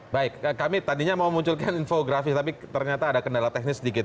baik kami tadinya mau munculkan infografi tapi ternyata ada kendala teknis sedikit